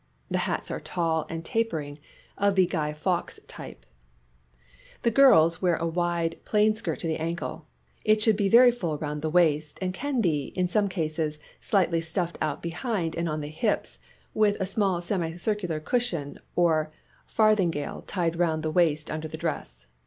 The hats are tall and tapering, of the " Guy Fawkes " type. The girls wear a wide, plain skirt to the ankle. It should be very full round the waist, and can be, in some cases, slightly stuffed out behind and on the hips with a small semi circular cushion or farthingale tied round the waist under the dress.